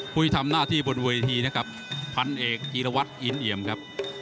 ผู้ที่ทำหน้าที่บนเวทีนะครับพันเอกจีรวัตรอินเอี่ยมครับ